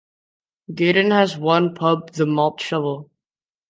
Gaydon has one pub the Malt Shovel.